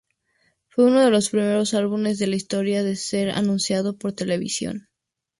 Fue uno de los primeros álbumes de la historia en ser anunciado por televisión.